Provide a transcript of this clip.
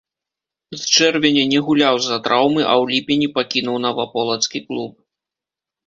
З чэрвеня не гуляў з-за траўмы, а ў ліпені пакінуў наваполацкі клуб.